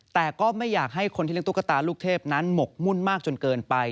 แต่ก็ไม่อยากให้คนที่เลี้ยตุ๊กตาลูกเทพนั้นหมกมุ่นมากจนเกินไป